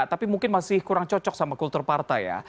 tapi mungkin masih kurang cocok sama kultur partai ya